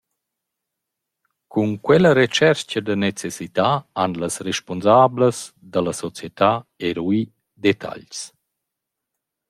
Cun quella retschercha da necessità han las respunsablas da la società erui detagls.